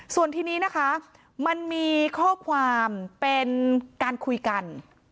ส่วนทีนี้นะคะมันมีข้อความเป็นการคุยกัน